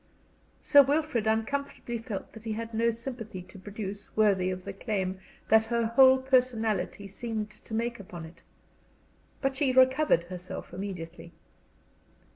Sir Wilfrid uncomfortably felt that he had no sympathy to produce worthy of the claim that her whole personality seemed to make upon it. But she recovered herself immediately.